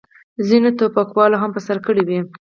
ځینو ټوپکوالو هم په سر کړې وې.